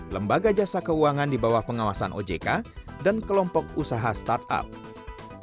lembaga jasa keuangan di bawah pengawasan ojk dan kelompok usaha startup